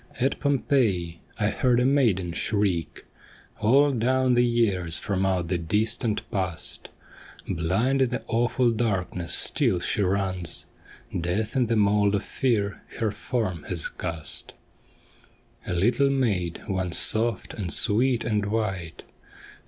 At Pompeii I heard a maiden shriek All down the years from out the distant past ; Blind in the awful darkness still she runs ; Death in the mould of fear her form has cast. A little maid once soft and sweet and white.